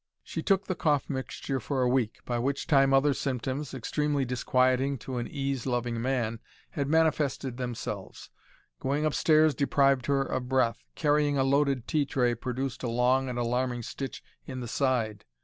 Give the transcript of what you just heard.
She took the cough mixture for a week, by which time other symptoms, extremely disquieting to an ease loving man, had manifested themselves. Going upstairs deprived her of breath; carrying a loaded tea tray produced a long and alarming stitch in the side.